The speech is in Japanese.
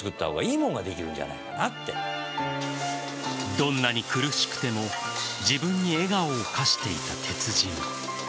どんなに苦しくても自分に笑顔を課していた鉄人。